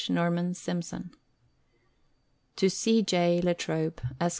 NORMAN SIMSON. C. J. La Trobe, Esq.